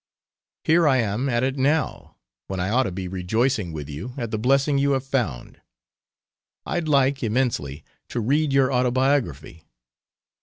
Here I am at it now, when I ought to be rejoicing with you at the blessing you have found.... I'd like, immensely, to read your autobiography.